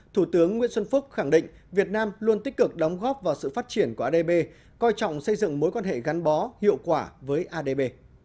thủ tướng nguyễn xuân phúc khẳng định việt nam luôn tích cực đóng góp vào sự phát triển của adb coi trọng xây dựng mối quan hệ gắn bó hiệu quả với adb